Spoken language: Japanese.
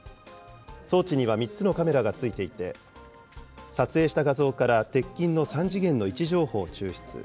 装置には３つのカメラが付いていて、撮影した画像から鉄筋の３次元の位置情報を抽出。